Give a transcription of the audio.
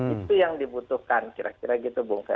itu yang dibutuhkan kira kira gitu bung fer